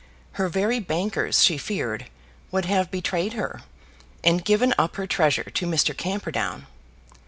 Her very bankers, she feared, would have betrayed her, and given up her treasure to Mr. Camperdown.